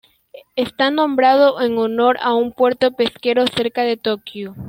Está nombrado en honor a un puerto pesquero cerca de Tokio.